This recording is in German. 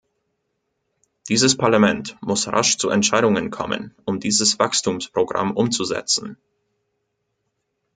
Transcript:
Dieses Parlament muss rasch zu Entscheidungen kommen, um dieses Wachstumsprogramm umzusetzen.